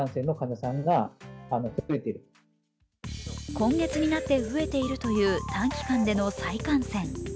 今月になって増えているという短期間での再感染。